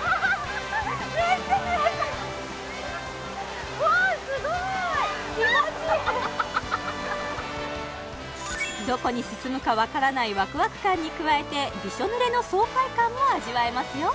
めっちゃ濡れたわあすごいどこに進むかわからないワクワク感に加えてびしょ濡れの爽快感も味わえますよ